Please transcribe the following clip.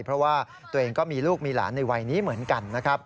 เพราะว่าตัวเองก็มีลูกมีหลานในวัยนี้เหมือนกันนะครับ